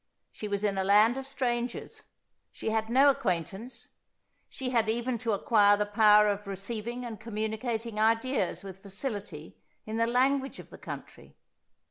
She was in a land of strangers; she had no acquaintance; she had even to acquire the power of receiving and communicating ideas with facility in the language of the country.